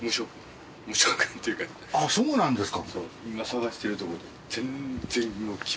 あっそうなんですか。